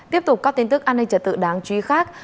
tiếp tục các tin tức an ninh trật tự đáng chú ý khác